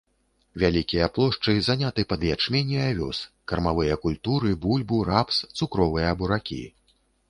Вялікія плошчы заняты пад ячмень і авёс, кармавыя культуры, бульбу, рапс, цукровыя буракі.